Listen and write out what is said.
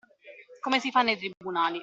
Come si fa nei tribunali.